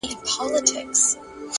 لوړ اخلاق اوږد اغېز پرېږدي،